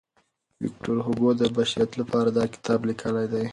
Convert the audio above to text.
ویکټور هوګو د بشریت لپاره دا کتاب لیکلی دی.